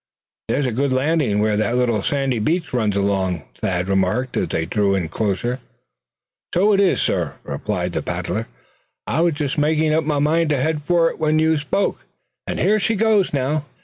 "There's a good landing where that little sandy beach runs along," Thad remarked, as they drew in closer. "So it is, suh," replied the paddler. "I was just making up my mind to head foh it when you spoke. Here she goes, now."